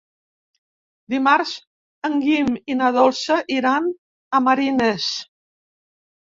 Dimarts en Guim i na Dolça iran a Marines.